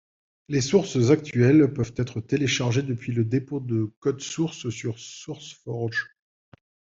Les sources actuelles peuvent être téléchargées depuis le dépôt de code source sur Sourceforge.